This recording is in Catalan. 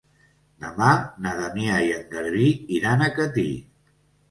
Demà na Damià i en Garbí iran a Catí.